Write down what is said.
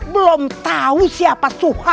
belum tahu siapa suha